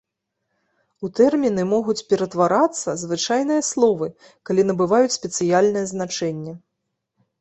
У тэрміны могуць ператварацца звычайныя словы, калі набываюць спецыяльнае значэнне.